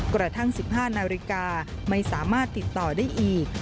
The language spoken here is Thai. กระทั่ง๑๕นาฬิกาไม่สามารถติดต่อได้อีก